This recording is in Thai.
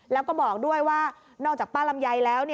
แล้วก็บอกด้วยว่านอกจากป้าลำไยแล้ว